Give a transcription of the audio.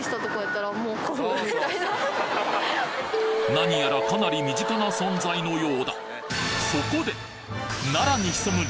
・何やらかなり身近な存在のようだ